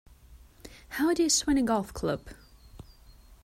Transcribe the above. How do you swing a golf club?